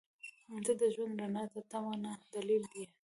• ته د ژوند رڼا ته تمه نه، دلیل یې.